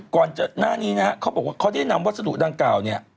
ก่อนหน้านี้นะฮะเขาบอกว่าเขาได้นำวัสดุดังกล่าวเนี่ย